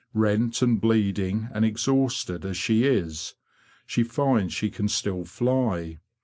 Rent and bleeding and exhausted as she is, she finds she can still fly.